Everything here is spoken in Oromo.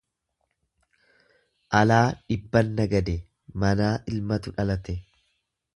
Alaa dhibban nagade, manaa ilmatu dhalate.